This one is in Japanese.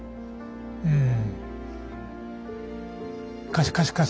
うん。